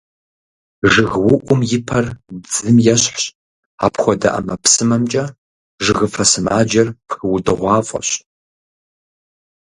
ЖыгыуӀум и пэр бдзым ещхыц, апхуэдэ ӀэмэпсымэмкӀэ жыгыфэ сымаджэр пхыудыгъуафӀэщ.